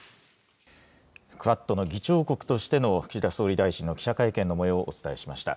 クアッドの議長国としての岸田総理大臣の記者会見のもようをお伝えしました。